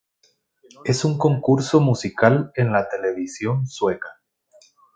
Es un concurso musical en la televisión sueca.